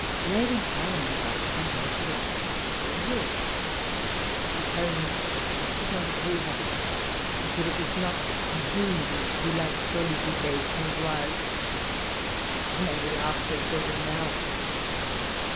Lady Hol land asked her how she liked Strawberry Hill ? She owned that she did not approve of it, and that it was not digne de la saUditc Angloise. It made me laugh for a quarter of an hour.